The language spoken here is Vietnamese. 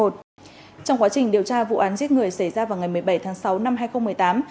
trong quá trình điều tra vụ án giết người xảy ra vào ngày một mươi bảy tháng sáu năm hai nghìn một mươi tám